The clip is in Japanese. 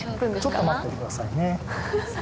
ちょっと待っててくださいね。